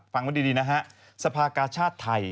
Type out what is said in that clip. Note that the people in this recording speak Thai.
ฟังไว้ดีนะฮะสภากาชาติไทย